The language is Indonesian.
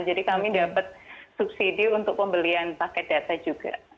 jadi kami dapat subsidi untuk pembelian paket data juga